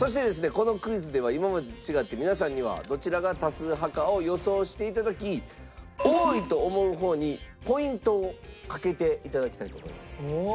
このクイズでは今までと違って皆さんにはどちらが多数派かを予想して頂き多いと思う方にポイントをかけて頂きたいと思います。